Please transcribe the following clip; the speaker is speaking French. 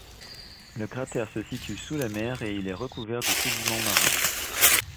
Le cratère se situe sous la mer et il est recouvert de sédiments marins.